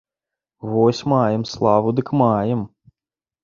Вось маем славу дык маем!